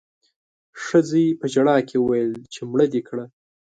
ښځې په ژړا کې وويل چې مړه دې کړه